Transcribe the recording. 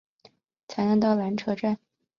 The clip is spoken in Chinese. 才能到缆车站